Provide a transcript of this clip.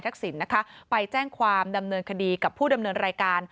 สินนะคะไปแจ้งความดำเนินคดีกับผู้ดำเนินรายการ